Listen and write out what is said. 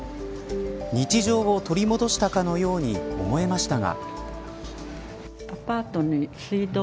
日常を取り戻したかのように思えましたが。